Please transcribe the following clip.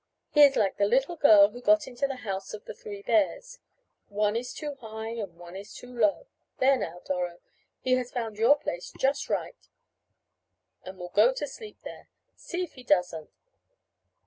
"He is like the little girl who got into the house of the 'Three Bears.' One is too high and one is too low there now, Doro, he has found your place 'just right' and will go to sleep there, see if he doesn't."